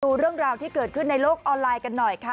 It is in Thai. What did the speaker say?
ดูเรื่องราวที่เกิดขึ้นในโลกออนไลน์กันหน่อยค่ะ